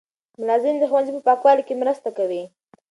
ملازم د ښوونځي په پاکوالي کې مرسته کوي.